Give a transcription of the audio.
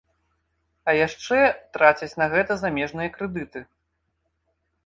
А яшчэ трацяць на гэта замежныя крэдыты.